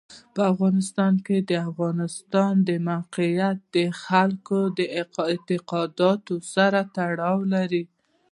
په افغانستان کې د افغانستان د موقعیت د خلکو د اعتقاداتو سره تړاو لري.